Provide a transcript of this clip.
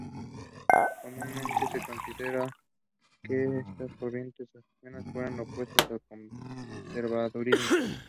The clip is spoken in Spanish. Comúnmente se considera que estas corrientes aglutinan fuerzas opuestas al conservadurismo.